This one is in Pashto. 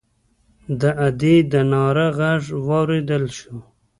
د ادي د ناره غږ واورېدل شو.